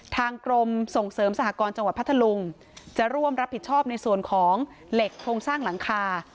ทางกรมส่งเสริมสหกรจังหวัดพัทธลุงจะร่วมรับผิดชอบในส่วนของเหล็กโครงสร้างหลังคา